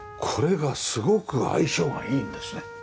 これがすごく相性がいいんですね。